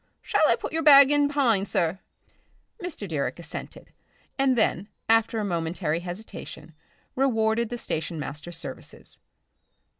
Shall I put your bag in behind, sir?" Mr. Direck assented, and then, after a momentary hesitation, rewarded the station master's services.